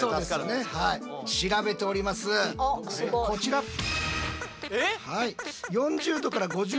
こちら。